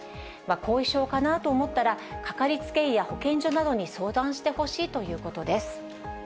後遺症かなと思ったら、かかりつけ医や保健所などに相談してほしいということです。